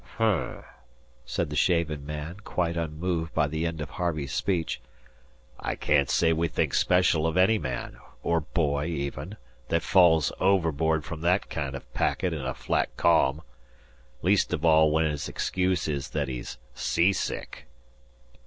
"H'm," said the shaven man, quite unmoved by the end of Harvey's speech. "I can't say we think special of any man, or boy even, that falls overboard from that kind o' packet in a flat ca'am. Least of all when his excuse is that he's seasick."